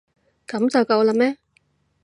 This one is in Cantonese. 噉就夠喇咩？